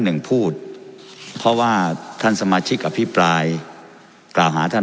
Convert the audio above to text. หนึ่งพูดเพราะว่าท่านสมาชิกอภิปรายกล่าวหาท่าน